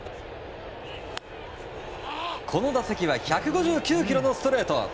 この打席は１５９キロのストレート。